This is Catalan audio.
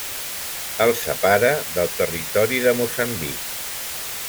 El separa del territori de Moçambic.